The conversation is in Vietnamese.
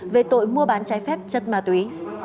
về tội mua bán trái phép chất ma túy